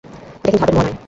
এটা কিন্তু হাতের মোয়া নয়।